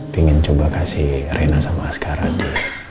pingin coba kasih reina sama askaradi